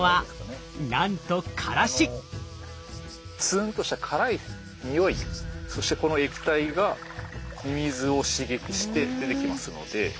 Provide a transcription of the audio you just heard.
ツーンとした辛い匂いそしてこの液体がミミズを刺激して出てきますので。